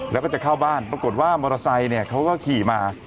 แล้วก็จะเข้าบ้านปรากฏว่ามอเตอร์ไซค์เขาก็ขี่มา